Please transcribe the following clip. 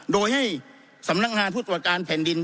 โดยให้สำนักงานผู้ตรวจการแผ่นดิน